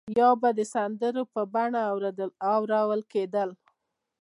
یا به د سندرو په بڼه اورول کېدل.